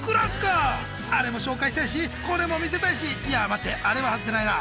あれも紹介したいしこれも見せたいしいや待ってあれは外せないな。